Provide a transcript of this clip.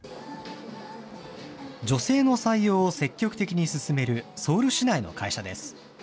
女性の採用を積極的に進めるソウル市内の会社です。